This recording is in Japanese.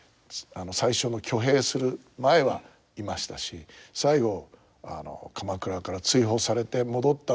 最初の挙兵する前はいましたし最後鎌倉から追放されて戻ったのも同じ所ですから。